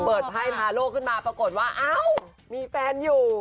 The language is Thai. ไพ่ทาโลกขึ้นมาปรากฏว่าอ้าวมีแฟนอยู่